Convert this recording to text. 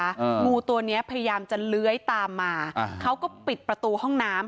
งูตัวเนี้ยพยายามจะเลื้อยตามมาอ่าเขาก็ปิดประตูห้องน้ำ